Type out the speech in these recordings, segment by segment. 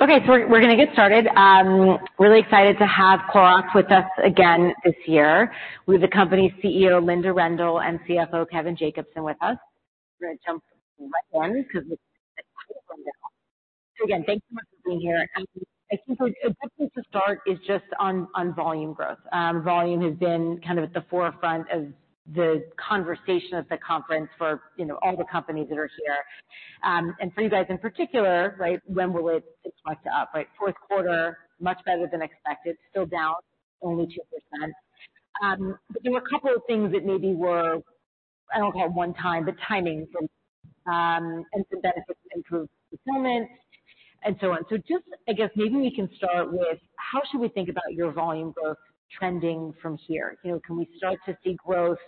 Okay, so we're gonna get started. Really excited to have Clorox with us again this year, with the company's CEO, Linda Rendle, and CFO, Kevin Jacobsen, with us. to start is just on volume growth. Volume has been kind of at the forefront of the conversation at the conference for, you know, all the companies that are here. And for you guys in particular, right, when will it tick Right. Q4, much better than expected, still down only 2%. But there were a couple of things that maybe were, I don't call it one time, but timing from, and some benefits, improved performance and so on. So just I guess maybe we can start with: How should we think about your volume growth trending from here? You know, can we start to see growth,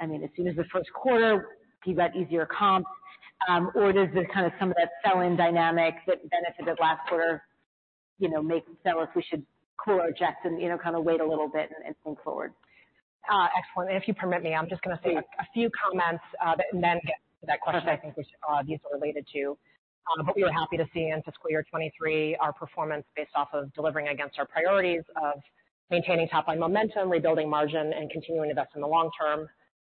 I mean, as soon as the Q1, given easier comps, or does this kind of some of that sell-in dynamic that benefited last quarter, you know, make so if we should cool our jets and, you know, kind of wait a little bit and think forward? Excellent. If you permit me, I'm just gonna say a few comments, and then get to that question. Okay. Hope you were happy to see in fiscal year 2023, our performance based off of delivering against our priorities of maintaining top-line momentum, rebuilding margin, and continuing to invest in the long term.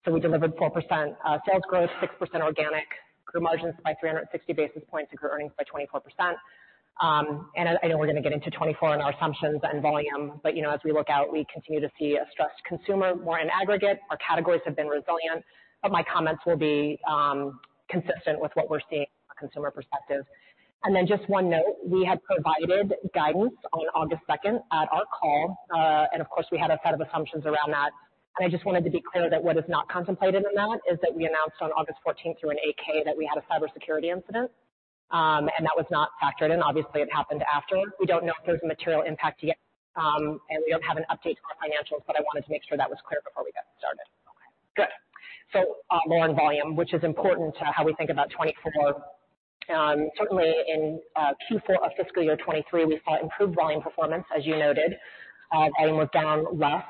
So we delivered 4% sales growth, 6% organic, grew margins by 360 basis points and grew earnings by 24%. And I know we're gonna get into 2024 in our assumptions and volume, but you know, as we look out, we continue to see a stretched consumer more in aggregate. Our categories have been resilient, but my comments will be consistent with what we're seeing from a consumer perspective. And then just one note, we had provided guidance on August 2nd at our call, and of course, we had a set of assumptions around that. I just wanted to be clear that what is not contemplated in that is that we announced on August 14th through an 8-K that we had a cybersecurity incident, and that was not factored in. Obviously, it happened after. We don't know if there's a material impact yet, and we don't have an update to our financials, but I wanted to make sure that was clear before we got started. Okay, good. So, more on volume, which is important to how we think about 2024. Certainly in Q4 of fiscal year 2023, we saw improved volume performance, as you noted. Item was down less,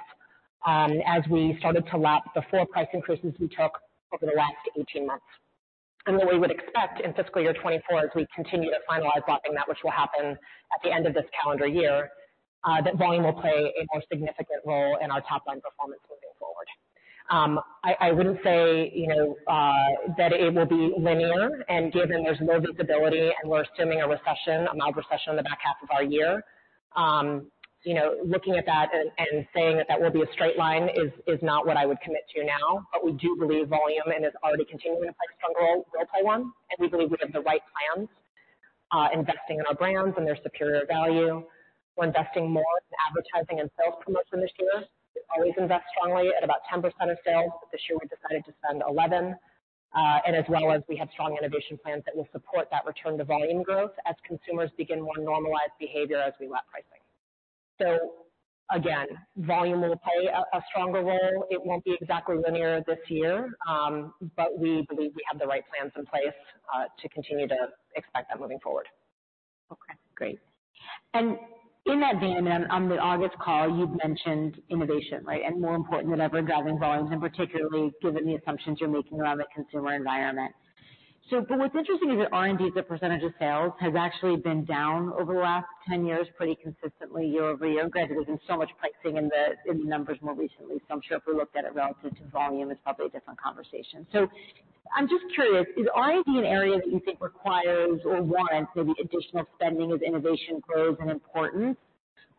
as we started to lap the full price increases we took over the last 18 months. And what we would expect in fiscal year 2024, as we continue to finalize lapping, that which will happen at the end of this calendar year, that volume will play a more significant role in our top line performance moving forward. I wouldn't say, you know, that it will be linear and given there's more visibility and we're assuming a recession, a mild recession in the back half of our year. You know, looking at that and saying that that will be a straight line is not what I would commit to now. But we do believe volume, and it's already continuing to play a strong role, will play one, and we believe we have the right plans investing in our brands and their superior value. We're investing more in advertising and sales promotion this year. We always invest strongly at about 10% of sales, but this year we decided to spend 11%. And as well as we have strong innovation plans that will support that return to volume growth as consumers begin more normalized behavior as we lap pricing. So again, volume will play a stronger role. It won't be exactly linear this year, but we believe we have the right plans in place to continue to expect that moving forward. Okay, great. And in that vein, and on the August call, you'd mentioned innovation, right? And more important than ever, driving volumes, and particularly given the assumptions you're making around the consumer environment. So but what's interesting is that R&D, as a percentage of sales, has actually been down over the last 10 years, pretty consistently year-over-year. Granted, there's been so much pricing in the, in the numbers more recently. So I'm sure if we looked at it relative to volume, it's probably a different conversation. So I'm just curious, is R&D an area that you think requires or warrants maybe additional spending as innovation grows in importance,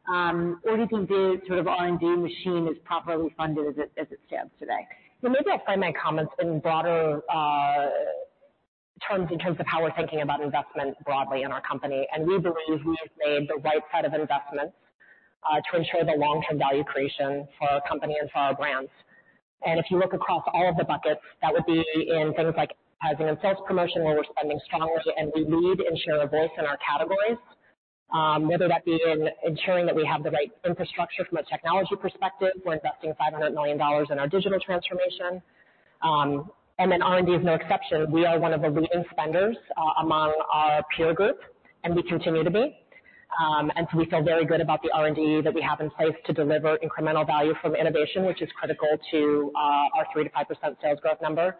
or do you think the sort of R&D machine is properly funded as it, as it stands today? Well, maybe I'll frame my comments in broader terms in terms of how we're thinking about investment broadly in our company. And we believe we have made the right set of investments to ensure the long-term value creation for our company and for our brands. And if you look across all of the buckets, that would be in things like advertising and sales promotion, where we're spending strongly and we lead in share of voice in our categories. Whether that be in ensuring that we have the right infrastructure from a technology perspective, we're investing $500 million in our digital transformation. And then R&D is no exception. We are one of the leading spenders among our peer group, and we continue to be. And so we feel very good about the R&D that we have in place to deliver incremental value from innovation, which is critical to our 3%-5% sales growth number.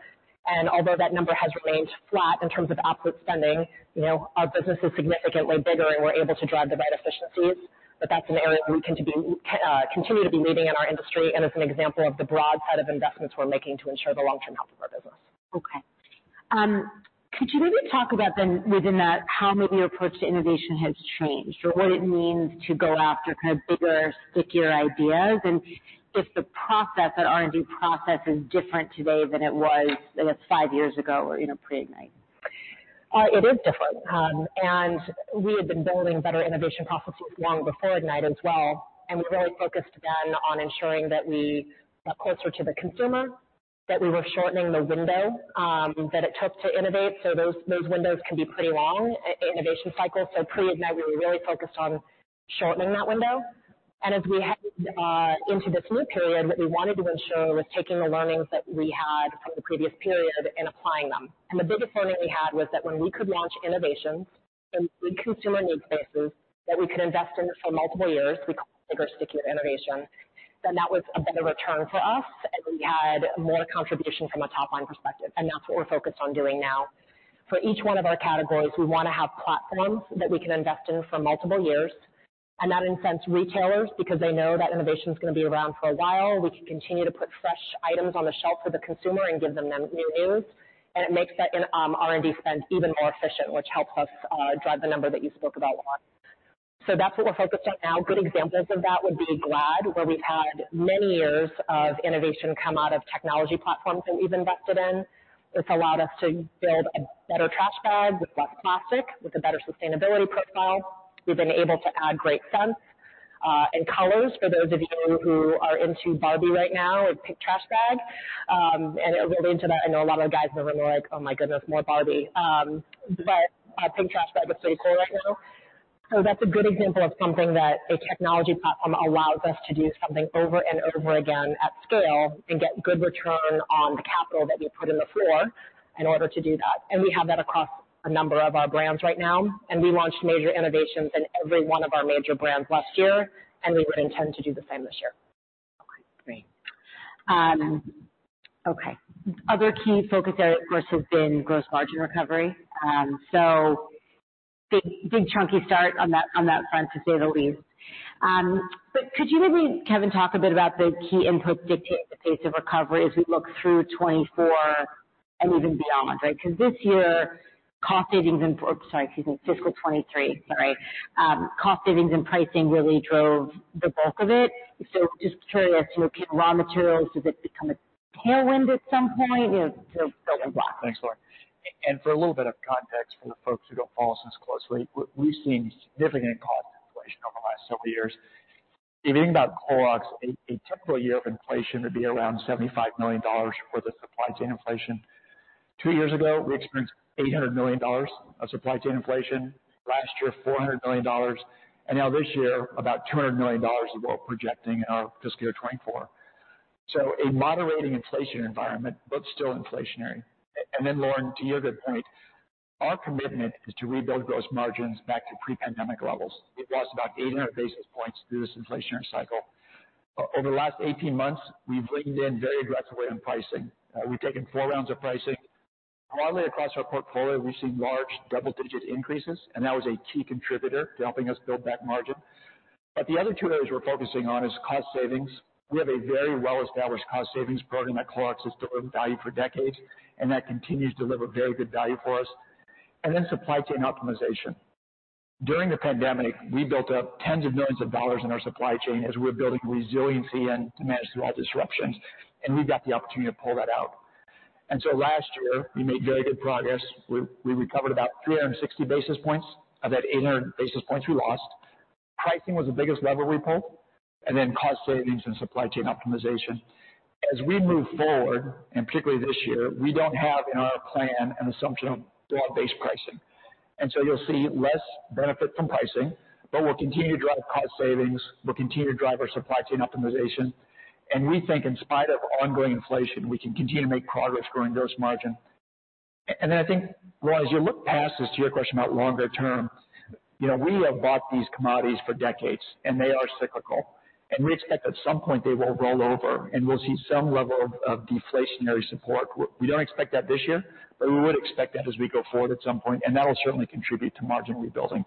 And although that number has remained flat in terms of output spending, you know, our business is significantly bigger, and we're able to drive the right efficiencies. But that's an area we continue to be leading in our industry and is an example of the broad set of investments we're making to ensure the long-term health of our business. Okay. Could you maybe talk about then within that, how maybe your approach to innovation has changed or what it means to go after kind of bigger, stickier ideas? And if the process, that R&D process is different today than it was, it was five years ago or, you know, pre-IGNITE. It is different. And we had been building better innovation processes long before IGNITE as well, and we really focused then on ensuring that we got closer to the consumer, that we were shortening the window that it took to innovate. So those windows can be pretty long, innovation cycles. So pre-IGNITE, we were really focused on shortening that window. And as we headed into this new period, what we wanted to ensure was taking the learnings that we had from the previous period and applying them. And the biggest learning we had was that when we could launch innovations in consumer need spaces that we could invest in for multiple years, we call bigger, stickier innovation. Then that was a better return to us, and we had more contribution from a top-line perspective, and that's what we're focused on doing now. For each one of our categories, we wanna have platforms that we can invest in for multiple years, and that incents retailers because they know that innovation is gonna be around for a while. We can continue to put fresh items on the shelf for the consumer and give them new news, and it makes that, R&D spend even more efficient, which helps us, drive the number that you spoke about, Lauren. So that's what we're focused on now. Good examples of that would be Glad, where we've had many years of innovation come out of technology platforms that we've invested in. It's allowed us to build a better trash bag with less plastic, with a better sustainability profile. We've been able to add great scents, and colors. For those of you who are into Barbie right now, a pink trash bag. And it really ties into that. I know a lot of our guys in the room are like, "Oh, my goodness, more Barbie." But a pink trash bag is pretty cool right now. So that's a good example of something that a technology platform allows us to do something over and over again at scale and get good return on the capital that we put on the floor in order to do that. And we have that across a number of our brands right now, and we launched major innovations in every one of our major brands last year, and we would intend to do the same this year. Okay, great. Okay. Other key focus area, of course, has been gross margin recovery. So big, big chunky start on that, on that front, to say the least. But could you maybe, Kevin, talk a bit about the key inputs dictating the pace of recovery as we look through 2024 and even beyond? Right, because this year, cost savings, sorry, excuse me, fiscal 2023, sorry. Cost savings and pricing really drove the bulk of it. So just curious, you know, raw materials, does it become a tailwind at some point? Thanks, Lauren. For a little bit of context, for the folks who don't follow us as closely, we've seen significant cost inflation over the last several years. If you think about Clorox, a typical year of inflation would be around $75 million for the supply chain inflation. Two years ago, we experienced $800 million of supply chain inflation. Last year, $400 million, and now this year, about $200 million is what we're projecting in our fiscal year 2024. So a moderating inflation environment, but still inflationary. Then Lauren, to your good point, our commitment is to rebuild gross margins back to pre-pandemic levels. We've lost about 800 basis points through this inflationary cycle. Over the last 18 months, we've leaned in very aggressively on pricing. We've taken four rounds of pricing. Broadly across our portfolio, we've seen large double-digit increases, and that was a key contributor to helping us build back margin. But the other two areas we're focusing on is cost savings. We have a very well-established cost savings program at Clorox that's delivered value for decades, and that continues to deliver very good value for us, and then supply chain optimization. During the pandemic, we built up 10s of millions of dollars in our supply chain as we're building resiliency and to manage through all disruptions, and we've got the opportunity to pull that out. And so last year, we made very good progress. We recovered about 360 basis points of that 800 basis points we lost. Pricing was the biggest lever we pulled, and then cost savings and supply chain optimization. As we move forward, and particularly this year, we don't have in our plan an assumption of broad-based pricing. And so you'll see less benefit from pricing, but we'll continue to drive cost savings. We'll continue to drive our supply chain optimization, and we think in spite of ongoing inflation, we can continue to make progress growing gross margin. And then I think, Lauren, as you look past this, to your question about longer term, you know, we have bought these commodities for decades, and they are cyclical, and we expect at some point they will roll over, and we'll see some level of deflationary support. We don't expect that this year, but we would expect that as we go forward at some point, and that will certainly contribute to margin rebuilding.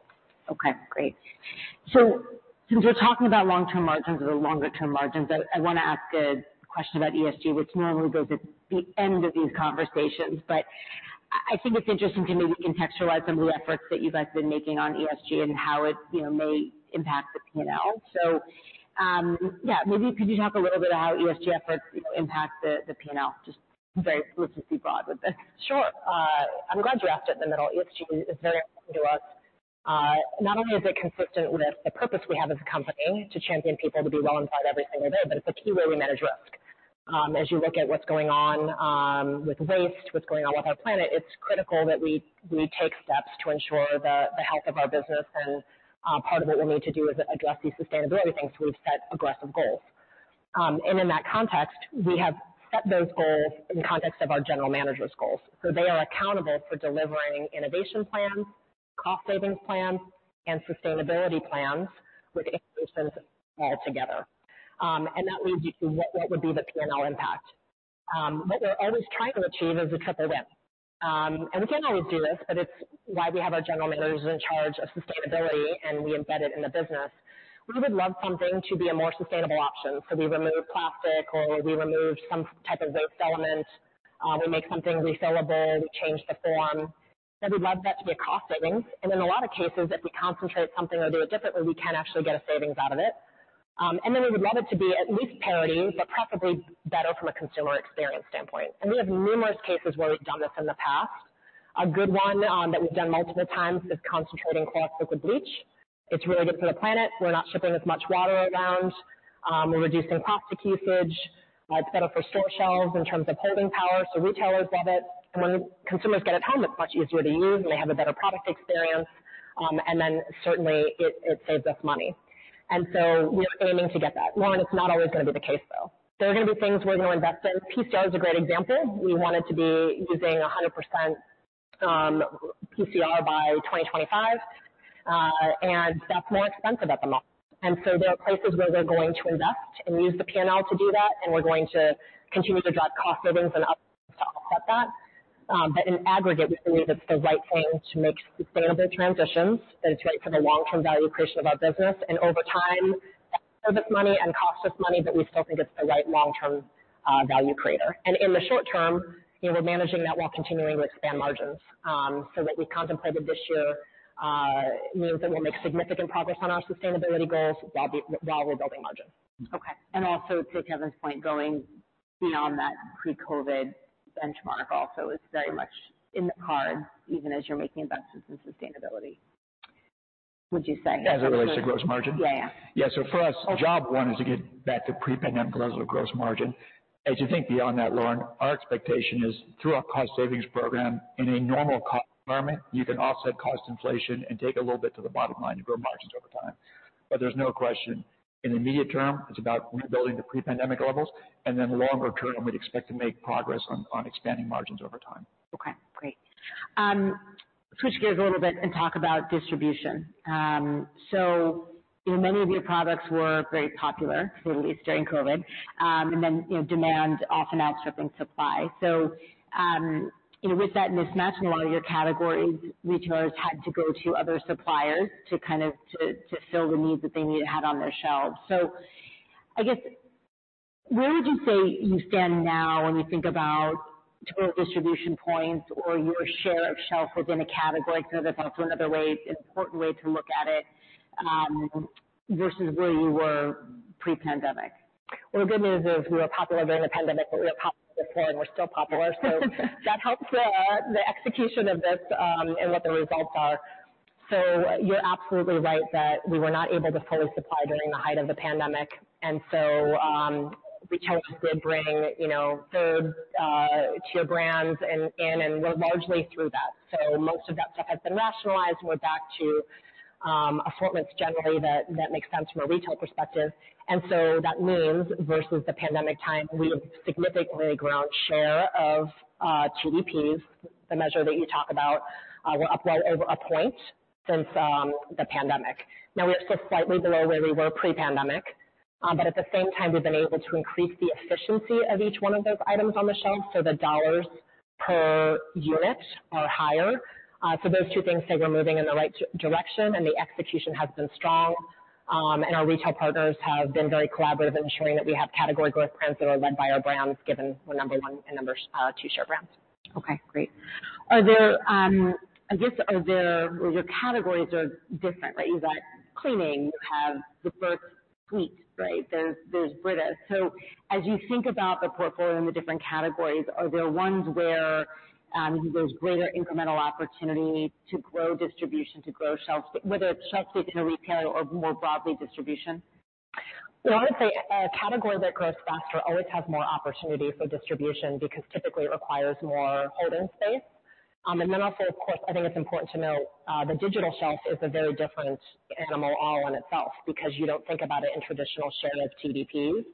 Okay, great. So since we're talking about long-term margins or longer-term margins, I, I wanna ask a question about ESG, which normally goes at the end of these conversations, but I, I think it's interesting to maybe contextualize some of the efforts that you guys have been making on ESG and how it, you know, may impact the P&L. So, yeah, maybe could you talk a little bit about how ESG efforts, you know, impact the, the P&L? Just very let's be broad with this. Sure. I'm glad you asked it in the middle. ESG is very important to us. Not only is it consistent with the purpose we have as a company to champion people to be well inside every single day, but it's a key way we manage risk. As you look at what's going on with waste, what's going on with our planet, it's critical that we, we take steps to ensure the, the health of our business. Part of what we'll need to do is address these sustainability things. So we've set aggressive goals. And in that context, we have set those goals in context of our general managers' goals. So they are accountable for delivering innovation plans, cost savings plans, and sustainability plans, with incentives all together. And that leads you to what, what would be the P&L impact? What we're always trying to achieve is a triple win. And we can't always do this, but it's why we have our general managers in charge of sustainability, and we embed it in the business. We would love something to be a more sustainable option. So we remove plastic or we remove some type of waste element, we make something refillable, we change the form, and we'd love that to be a cost savings. And in a lot of cases, if we concentrate something or do it differently, we can actually get a savings out of it. And then we would love it to be at least parity, but preferably better from a consumer experience standpoint. And we have numerous cases where we've done this in the past. A good one, that we've done multiple times is concentrating Clorox with the bleach. It's really good for the planet. We're not shipping as much water around. We're reducing plastic usage. It's better for store shelves in terms of holding power, so retailers love it. And when consumers get it home, it's much easier to use, and they have a better product experience. And then certainly it, it saves us money. And so we are aiming to get that. Lauren, it's not always gonna be the case, though. There are gonna be things we're gonna invest in. PCR is a great example. We wanted to be using 100% PCR by 2025, and that's more expensive at the moment. And so there are places where we're going to invest and use the P&L to do that, and we're going to continue to drive cost savings and. But in aggregate, we believe it's the right thing to make sustainable transitions, and it's right for the long-term value creation of our business. And over time, it's money and costs us money, but we still think it's the right long-term value creator. And in the short term, you know, we're managing that while continuing to expand margins. So what we contemplated this year means that we'll make significant progress on our sustainability goals, while we're building margins. Okay. And also to Kevin's point, going beyond that pre-COVID benchmark also is very much in the cards, even as you're making investments in sustainability, would you say? As it relates to gross margin? Yeah. Yeah. So for us, job one is to get back to pre-pandemic levels of gross margin. As you think beyond that, Lauren, our expectation is through our cost savings program in a normal co-op environment, you can offset cost inflation and take a little bit to the bottom line to grow margins over time. But there's no question, in the immediate term, it's about rebuilding to pre-pandemic levels and then longer term, we'd expect to make progress on, on expanding margins over time. Okay, great. Switch gears a little bit and talk about distribution. So many of your products were very popular, at least during COVID, and then, you know, demand often outstripping supply. So, you know, with that mismatch in a lot of your categories, retailers had to go to other suppliers to kind of, to fill the needs that they need to have on their shelves. So I guess, where would you say you stand now when you think about total distribution points or your share of shelf within a category? So that's also another way, an important way to look at it, versus where you were pre-pandemic. Well, the good news is we were popular during the pandemic, but we were popular before, and we're still popular. So that helps the execution of this and what the results are. So you're absolutely right that we were not able to fully supply during the height of the pandemic, and so retailers did bring, you know, third tier brands in, and we're largely through that. So most of that stuff has been rationalized. We're back to assortments generally that make sense from a retail perspective. And so that means versus the pandemic time, we have significantly grown share of TDPs, the measure that you talk about. We're up well over a point since the pandemic. Now we're still slightly below where we were pre-pandemic, but at the same time, we've been able to increase the efficiency of each one of those items on the shelf, so the dollars per unit are higher. So those two things say we're moving in the right direction, and the execution has been strong. And our retail partners have been very collaborative in ensuring that we have category growth prints that are led by our brands, given we're number one and number two share brands. Okay, great. Are there, I guess, your categories are different, right? You've got cleaning, you have dish soap, sweets, right? There's Brita. So as you think about the portfolio and the different categories, are there ones where there's greater incremental opportunity to grow distribution, to grow shelves, whether it's shelf space in a retail or more broadly, distribution? Well, I would say a category that grows faster always has more opportunity for distribution, because typically it requires more holding space. And then also, of course, I think it's important to note, the digital shelf is a very different animal all in itself, because you don't think about it in traditional share of TDPs.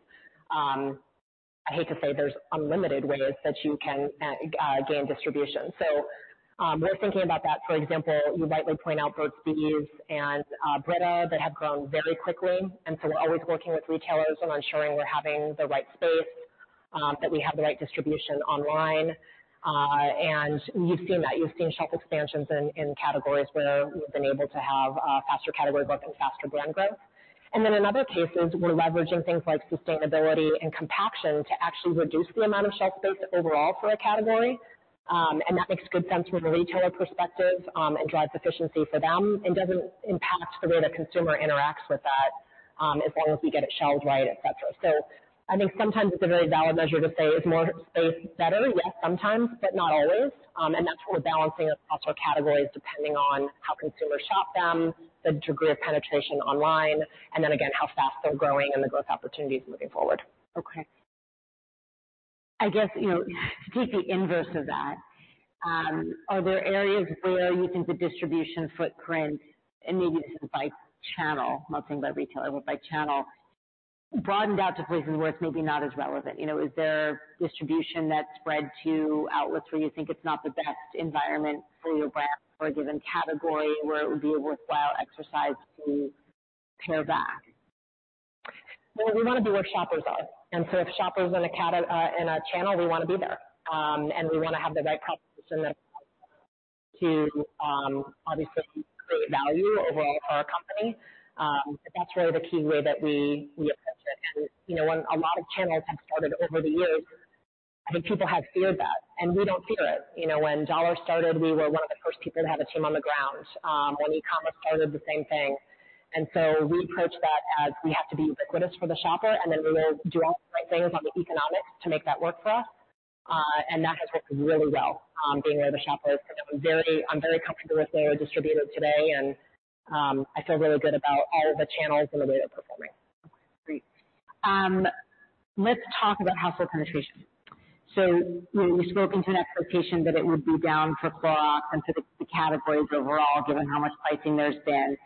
I hate to say there's unlimited ways that you can gain distribution. So, we're thinking about that. For example, you rightly point out both and Brita, that have grown very quickly, and so we're always working with retailers on ensuring we're having the right space, that we have the right distribution online. And you've seen that. You've seen shelf expansions in categories where we've been able to have faster category growth and faster brand growth. Then in other cases, we're leveraging things like sustainability and compaction to actually reduce the amount of shelf space overall for a category. And that makes good sense from a retailer perspective, and drives efficiency for them and doesn't impact the way the consumer interacts with that, as long as we get it shelved right, etc. So I think sometimes it's a very valid measure to say is more space better? Yes, sometimes, but not always. And that's what we're balancing across our categories, depending on how consumers shop them, the degree of penetration online, and then again, how fast they're growing and the growth opportunities moving forward. Okay. I guess, you know, to take the inverse of that, are there areas where you think the distribution footprint, and maybe this is by channel, I'm not saying by retailer, but by channel, broadened out to places where it's maybe not as relevant? You know, is there distribution that spread to outlets where you think it's not the best environment for your brand or a given category where it would be a worthwhile exercise to pare back? Well, we want to be where shoppers are, and so if shoppers are in a channel, we want to be there. And we want to have the right proposition then to, obviously create value overall for our company. But that's really the key way that we, we approach it. And, you know, when a lot of channels have started over the years, I think people have feared that, and we don't fear it. You know, when Dollar started, we were one of the first people to have a team on the ground. When e-commerce started, the same thing. And so we approach that as we have to be ubiquitous for the shopper, and then we will do all the right things on the economics to make that work for us. That has worked really well, being where the shopper is. I'm very, I'm very comfortable with where we're distributed today and, I feel really good about all of the channels and the way they're performing. Great. Let's talk about household penetration. So you spoke into an expectation that it would be down for categories overall, given how much pricing there's been.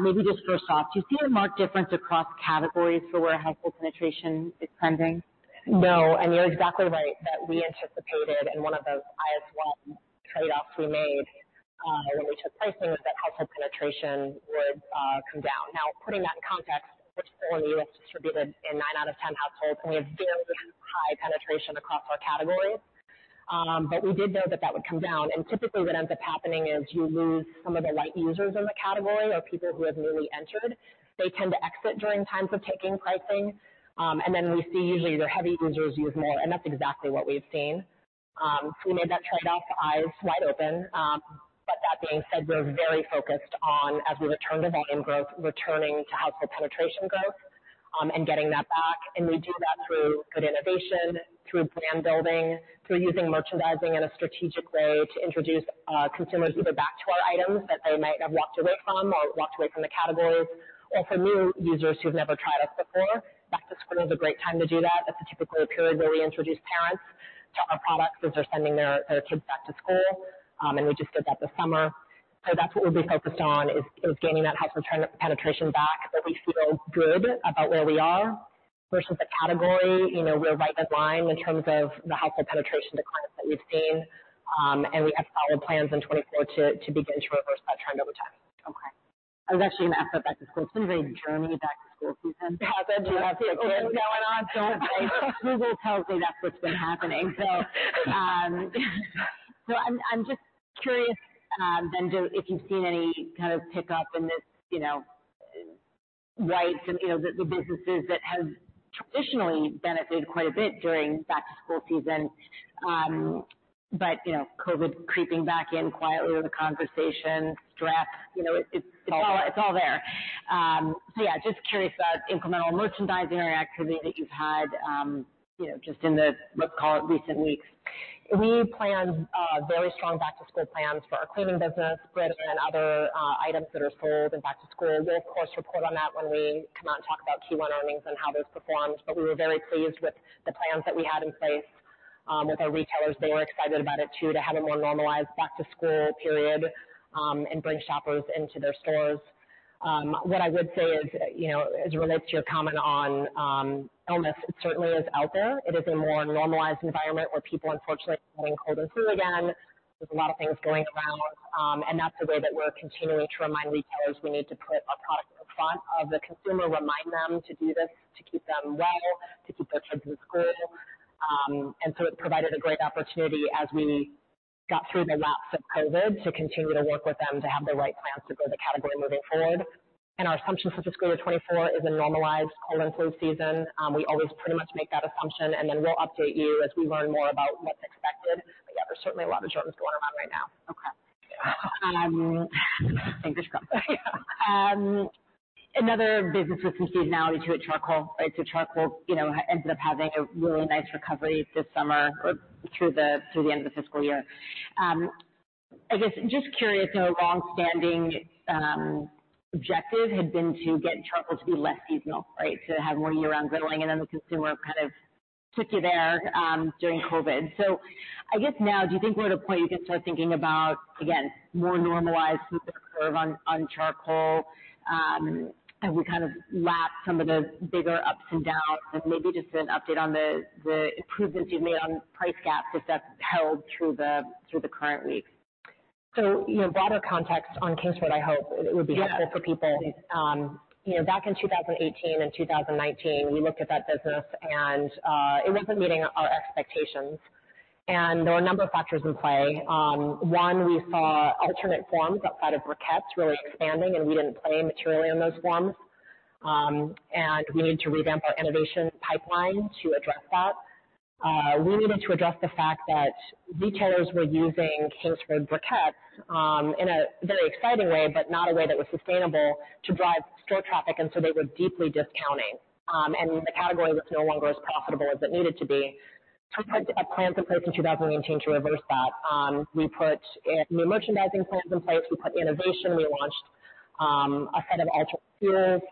Maybe just first off, do you see a marked difference across categories for where household penetration is trending? No, and you're exactly right, that we anticipated, and one of those is one trade-offs we made, when we took pricing, was that household penetration would come down. Now, putting that in context, which for you is distributed in nine out of 10 households, we have very high penetration across our categories. But we did know that, that would come down. And typically, what ends up happening is you lose some of the light users in the category or people who have newly entered. They tend to exit during times of taking pricing. And then we see usually your heavy users use more, and that's exactly what we've seen. So we made that trade-off eyes wide open. But that being said, we're very focused on, as we return to volume growth, returning to household penetration growth, and getting that back. We do that through good innovation, through brand building, through using merchandising in a strategic way to introduce consumers either back to our items that they might have walked away from or walked away from the categories. Or for new users who've never tried us before, back to school is a great time to do that. That's a typical period where we introduce parents to our products as they're sending their kids back to school, and we just did that this summer. So that's what we'll be focused on is gaining that household penetration back, but we feel good about where we are versus the category. You know, we're right in line in terms of the household penetration declines that we've seen. And we have solid plans in 2024 to begin to reverse that trend over time. Okay. I was actually gonna ask about back to school. Seems like Germany's back to school season going on, don't they? Google tells me that's what's been happening. So, I'm just curious, then, if you've seen any kind of pickup in this, you know, right. Some, you know, the businesses that have traditionally benefited quite a bit during back to school season. But, you know, COVID creeping back in quietly with the conversation, draft, you know, it's all there. So yeah, just curious about incremental merchandising or activity that you've had, you know, just in the, let's call it recent weeks. We planned very strong back-to-school plans for our cleaning business, Glad, and other items that are sold in back to school. We'll of course report on that when we come out and talk about Q1 earnings and how those performed. But we were very pleased with the plans that we had in place with our retailers. They were excited about it too, to have a more normalized back-to-school period and bring shoppers into their stores. What I would say is, you know, as it relates to your comment on illness, it certainly is out there. It is a more normalized environment where people, unfortunately, are getting cold and flu again. There's a lot of things going around, and that's the way that we're continuing to remind retailers we need to put our products in front of the consumer, remind them to do this, to keep them well, to keep their kids in school. So it provided a great opportunity as we got through the lapse of COVID, to continue to work with them to have the right plans to grow the category moving forward. Our assumption for fiscal 2024 is a normalized cold and flu season. We always pretty much make that assumption, and then we'll update you as we learn more about what's expected. But yeah, there's certainly a lot of germs going around right now. Okay. Thanks for sure. Another business with seasonality to it, charcoal. So charcoal, you know, ended up having a really nice recovery this summer or through the end of the fiscal year. I guess, just curious, our long-standing objective had been to get charcoal to be less seasonal, right? To have more year-round grilling, and then the consumer kind of took you there during COVID. So I guess now, do you think we're at a point you can start thinking about, again, more normalized curve on charcoal? As we kind of lap some of the bigger ups and downs, and maybe just an update on the improvements you've made on price gaps, if that's held through the current week. So, you know, broader context on Kingsford, I hope it would be helpful for people. You know, back in 2018 and 2019, we looked at that business, and it wasn't meeting our expectations, and there were a number of factors in play. One, we saw alternate forms outside of briquettes really expanding, and we didn't play materially in those forms. And we needed to revamp our innovation pipeline to address that. We needed to address the fact that retailers were using Kingsford briquettes in a very exciting way, but not a way that was sustainable to drive store traffic, and so they were deeply discounting. And the category was no longer as profitable as it needed to be. So we put plans in place in 2018 to reverse that. We put new merchandising plans in place. We put innovation. We launched a set of alternate fuels,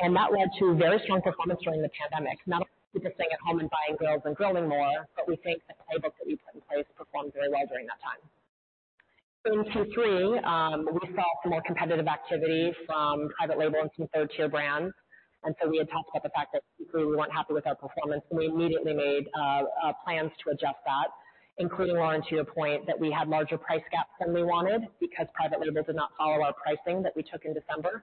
and that led to very strong performance during the pandemic. Not only people staying at home and buying grills and grilling more, but we think the playbooks that we put in place performed very well during that time. In 2023, we saw some more competitive activity from private label and some third-tier brands, and so we had talked about the fact that we weren't happy with our performance, and we immediately made plans to adjust that, including, Lauren, to your point, that we had larger price gaps than we wanted because private label did not follow our pricing that we took in December.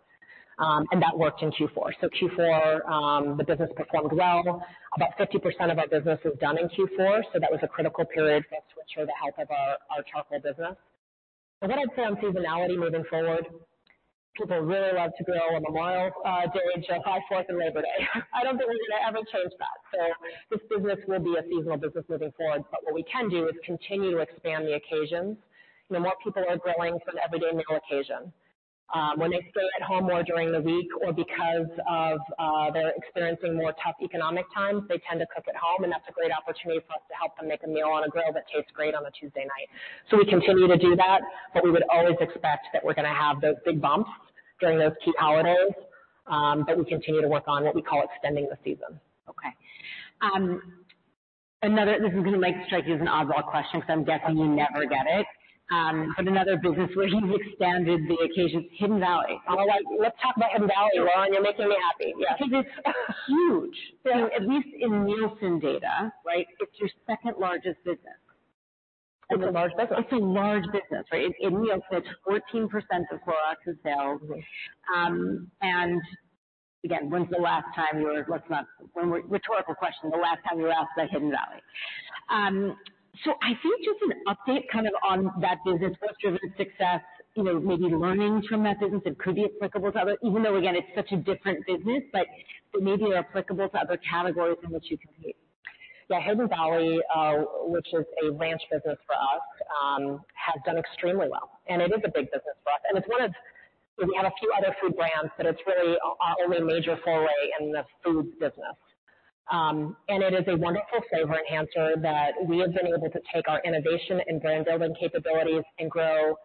And that worked in Q4. So Q4, the business performed well. About 50% of our business is done in Q4, so that was a critical period for us to ensure the health of our charcoal business. So what I'd say on seasonality moving forward, people really love to grill on the wild days of five, fourth and Labor Day. I don't believe we're gonna ever change that. So this business will be a seasonal business moving forward, but what we can do is continue to expand the occasions. You know, more people are grilling for the everyday meal occasion. When they stay at home more during the week or because they're experiencing more tough economic times, they tend to cook at home, and that's a great opportunity for us to help them make a meal on a grill that tastes great on a Tuesday night. So we continue to do that, but we would always expect that we're gonna have those big bumps during those key holidays, but we continue to work on what we call extending the season. Okay. Another, this is going to, like, strike you as an oddball question, because I'm guessing you never get it. But another business where you've expanded the occasion, Hidden Valley. So let's talk about Hidden Valley, Lauren, you're making me happy. Yes. Because it's huge. So at least in Nielsen data, right, it's your second largest business. It's a large business, right? In Nielsen, it's 14% of Clorox's sales. And again, when's the last time you were asked about Hidden Valley? So I think just an update kind of on that business, what's driven success, you know, maybe learnings from that business that could be applicable to others, even though, again, it's such a different business, but maybe are applicable to other categories in which you compete. Yeah. Hidden Valley, which is a ranch business for us, has done extremely well, and it is a big business for us. It's one of. We have a few other food brands, but it's really our only major foray in the foods business. And it is a wonderful flavor enhancer that we have been able to take our innovation and brand building capabilities and grow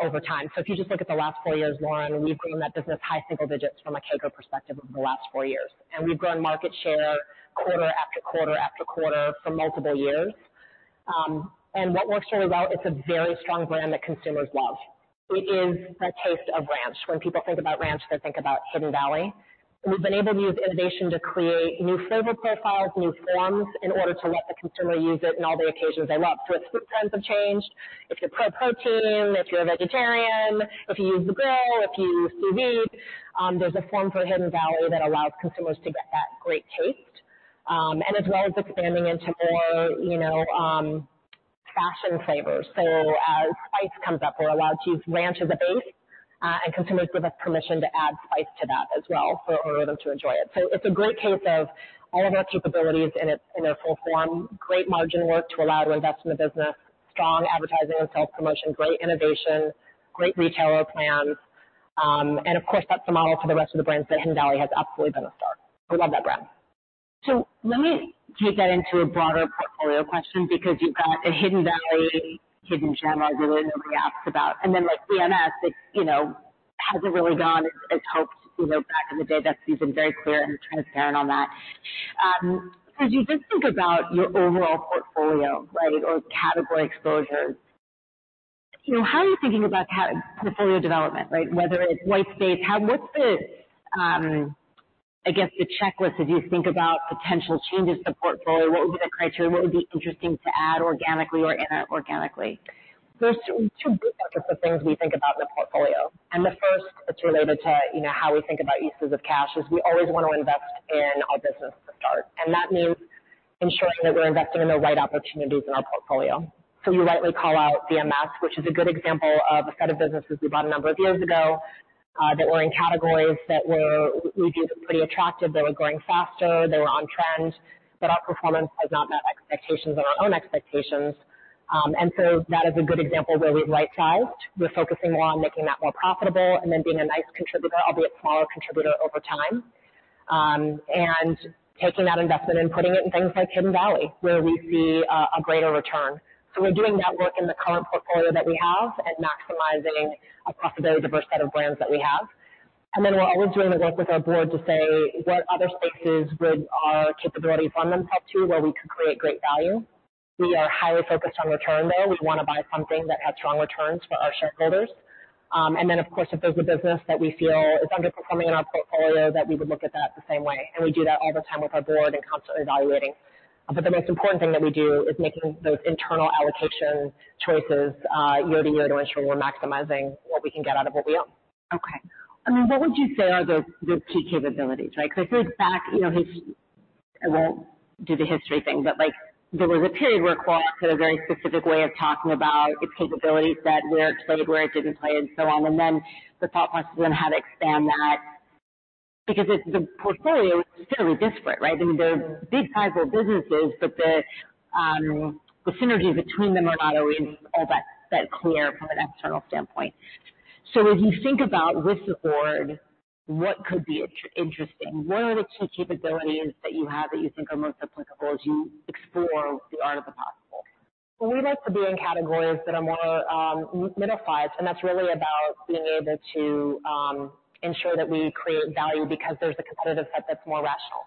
over time. So if you just look at the last four years, Lauren, we've grown that business high single digits from a CAGR perspective over the last four years. And we've grown market share quarter after quarter after quarter for multiple years. And what works really well, it's a very strong brand that consumers love. It is a taste of ranch. When people think about ranch, they think about Hidden Valley. We've been able to use innovation to create new flavor profiles, new forms, in order to let the consumer use it in all the occasions they want. So as food trends have changed, if you're pro-protein, if you're a vegetarian, if you use the grill, if you use sous vide, there's a form for Hidden Valley that allows consumers to get that great taste, and as well as expanding into more, you know, fashion flavors. So as spice comes up, we're allowed to use ranch as a base, and consumers give us permission to add spice to that as well for them to enjoy it. So it's a great case of all of our capabilities in a full form, great margin work to allow to invest in the business, strong advertising and sales promotion, great innovation, great retailer plans. And of course, that's the model for the rest of the brands, that Hidden Valley has absolutely been a star. We love that brand. So let me take that into a broader portfolio question, because you've got a Hidden Valley, Hidden Gem, as really nobody asks about. And then, like, VMS, it, you know, hasn't really gone as hoped, you know, back in the day, that's been very clear and transparent on that. As you just think about your overall portfolio, right, or category exposures, you know, how are you thinking about portfolio development, right? Whether it's white space, how, what's the, I guess, the checklist, as you think about potential changes to the portfolio, what would be the criteria? What would be interesting to add organically or inorganically? There are two different types of things we think about with portfolio. The first, it's related to, you know, how we think about uses of cash, is we always want to invest in our business to start. And that means ensuring that we're investing in the right opportunities in our portfolio. So you rightly call out BMS, which is a good example of a set of businesses we bought a number of years ago, that were in categories that were, we viewed as pretty attractive. They were growing faster, they were on trend, but our performance has not met expectations and our own expectations. And so that is a good example where we've right-sized. We're focusing more on making that more profitable and then being a nice contributor, albeit smaller contributor, over time. And taking that investment and putting it in things like Hidden Valley, where we see a greater return. So we're doing that work in the current portfolio that we have and maximizing across a very diverse set of brands that we have. And then we're always doing the work with our board to say what other spaces would our capabilities run themselves to, where we could create great value? We are highly focused on return there. We want to buy something that has strong returns for our shareholders. And then, of course, if there's a business that we feel is underperforming in our portfolio, that we would look at that the same way. And we do that all the time with our board and constantly evaluating. The most important thing that we do is making those internal allocation choices, year to year, to ensure we're maximizing what we can get out of what we own. Okay. I mean, what would you say are the two capabilities, right? Because I think back, you know, his won't do the history thing, but, like, there was a period where Clorox had a very specific way of talking about its capabilities, that where it played, where it didn't play, and so on. And then the thought process on how to expand that, because it's, the portfolio is fairly disparate, right? I mean, there are big sizable businesses, but the synergies between them are not always all that clear from an external standpoint. So as you think about with the board, what could be interesting, what are the two capabilities that you have that you think are most applicable as you explore the art of the possible? We like to be in categories that are more, middle five, and that's really about being able to, ensure that we create value because there's a competitive set that's more rational.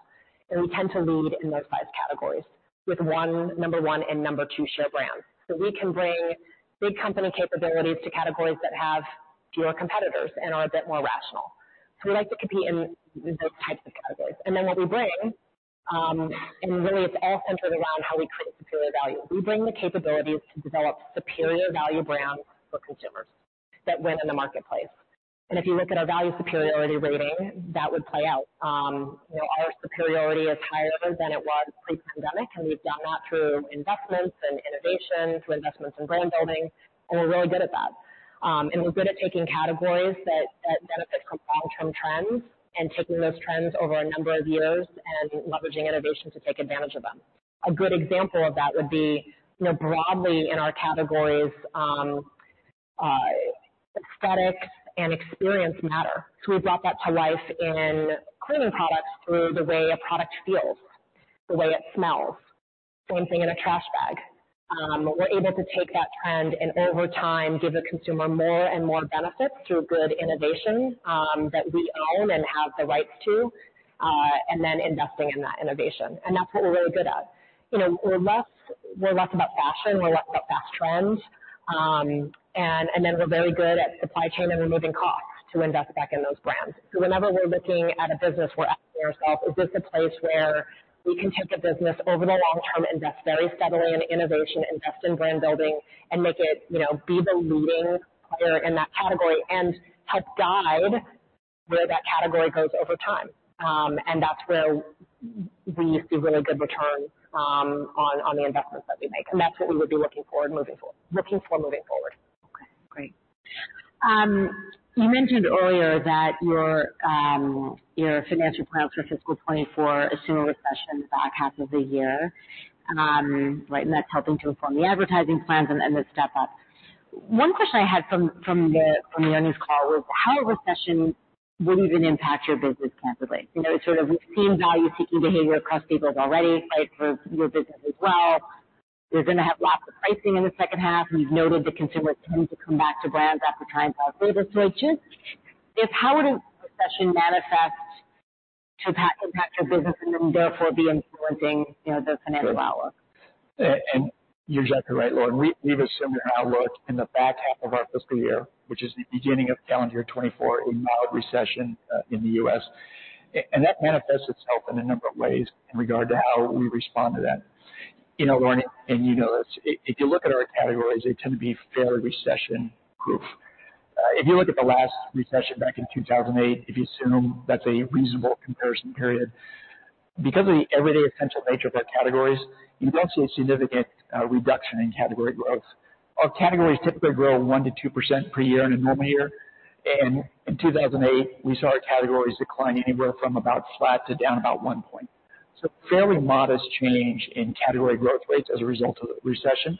And we tend to lead in those five categories with one, number one and number two, share brands. So we can bring big company capabilities to categories that have fewer competitors and are a bit more rational. So we like to compete in those types of categories. And then what we bring, and really it's all centered around how we create superior value. We bring the capabilities to develop superior value brands for consumers that win in the marketplace. And if you look at our value superiority rating, that would play out. You know, our superiority is higher than it was pre-pandemic, and we've done that through investments and innovation, through investments in brand building, and we're really good at that. And we're good at taking categories that benefit from long-term trends and taking those trends over a number of years and leveraging innovation to take advantage of them. A good example of that would be, you know, broadly in our categories, aesthetics and experience matter. So we brought that to life in cleaning products through the way a product feels, the way it smells. Same thing in a trash bag. We're able to take that trend and over time, give the consumer more and more benefits through good innovation, that we own and have the rights to, and then investing in that innovation. And that's what we're really good at. You know, we're less, we're less about fashion, we're less about fast trends. And then we're very good at supply chain and removing costs to invest back in those brands. So whenever we're looking at a business, we're asking ourselves: Is this a place where we can take a business over the long term, invest very steadily in innovation, invest in brand building, and make it, you know, be the leading player in that category and help guide where that category goes over time? And that's where we see really good return on the investments that we make, and that's what we would be looking for moving forward. Okay, great. You mentioned earlier that your, your financial plans for fiscal 2024 assume a recession in the back half of the year. Right, and that's helping to inform the advertising plans and the step up. One question I had from the earnings call was how a recession would even impact your business positively. You know, sort of we've seen value-seeking behavior across people's already, right? For your business as well. We're gonna have lots of pricing in the second half. We've noted the consumers tend to come back to brands after times off. So just, if how would a recession manifest to impact your business and then therefore be influencing, you know, the financial outlook? You're exactly right, Lauren. We, we've assumed an outlook in the back half of our fiscal year, which is the beginning of calendar year 2024, a mild recession, in the U.S. That manifests itself in a number of ways in regard to how we respond to that. You know, Lauren, and you know this, if you look at our categories, they tend to be fairly recession-proof. If you look at the last recession back in 2008, if you assume that's a reasonable comparison period, because of the everyday essential nature of our categories, you don't see a significant, reduction in category growth. Our categories typically grow 1%-2% per year in a normal year, and in 2008, we saw our categories decline anywhere from about flat to down about one point. Fairly modest change in category growth rates as a result of the recession,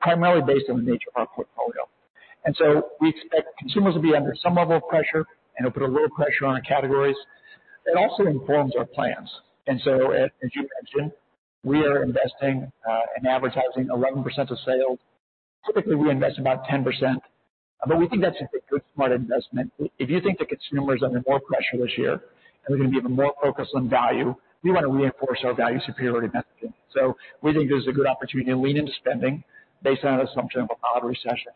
primarily based on the nature of our portfolio. We expect consumers to be under some level of pressure and it'll put a little pressure on our categories. It also informs our plans. As, as you mentioned, we are investing in advertising 11% of sales. Typically, we invest about 10%, but we think that's a good, smart investment. If you think the consumer is under more pressure this year and we're going to be even more focused on value, we want to reinforce our value superiority messaging. We think there's a good opportunity to lean into spending based on an assumption of a mild recession.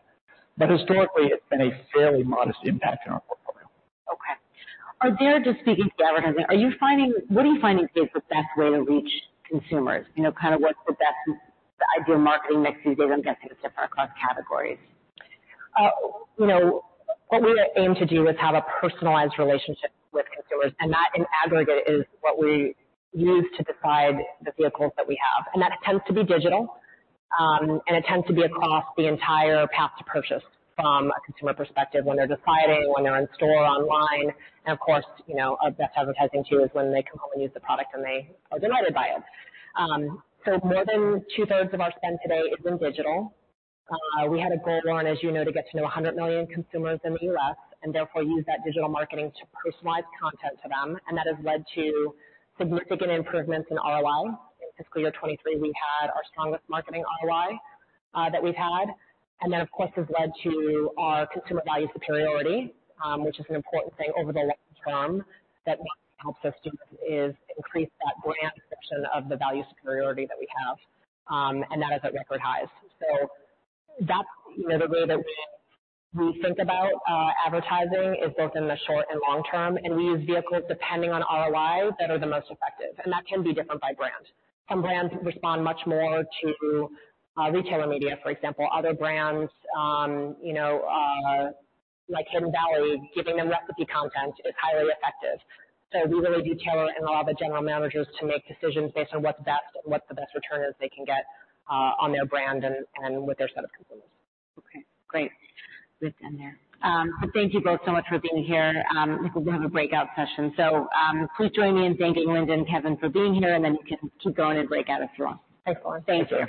But historically, it's been a fairly modest impact on our portfolio. Okay. Just speaking to advertising, what are you finding is the best way to reach consumers? You know, kind of what's the best, the ideal marketing mix these days? I'm guessing it's different across categories. You know, what we aim to do is have a personalized relationship with consumers, and that in aggregate is what we use to decide the vehicles that we have. And that tends to be digital, and it tends to be across the entire path to purchase from a consumer perspective, when they're deciding, when they're in store or online. And of course, you know, our best advertising, too, is when they come home and use the product and they are delighted by it. So more than two-thirds of our spend today is in digital. We had a goal, Lauren, as you know, to get to know 100 million consumers in the U.S. and therefore use that digital marketing to personalize content to them. And that has led to significant improvements in ROI. In fiscal year 2023, we had our strongest marketing ROI that we've had. And then, of course, has led to our consumer value superiority, which is an important thing over the long term, that helps us to increase that brand section of the value superiority that we have, and that is at record highs. So that's, you know, the way that we, we think about advertising is both in the short and long term, and we use vehicles depending on ROI that are the most effective. And that can be different by brand. Some brands respond much more to retailer media, for example. Other brands, you know, like Hidden Valley, giving them recipe content is highly effective. So we really do tailor it and allow the general managers to make decisions based on what's best and what the best return is they can get on their brand and with their set of consumers. Okay, great. Good end there. But thank you both so much for being here. We have a breakout session, so please join me in thanking Linda and Kevin for being here, and then you can keep going and break out if you want. Thanks, Lauren. Thank you.